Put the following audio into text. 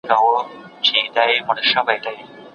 ولي حضوري ټولګي د آنلاین زده کړو په پرتله ډیر دودیز دي؟